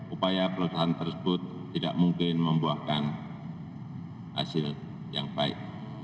upaya perusahaan tersebut tidak mungkin membuahkan hasil yang baik